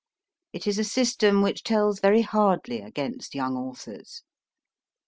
It is a system which tells very hardly against young authors.